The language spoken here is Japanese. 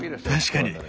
確かに！